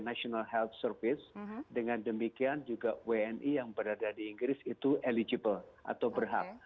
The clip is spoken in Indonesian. national health service dengan demikian juga wni yang berada di inggris itu eligible atau berhak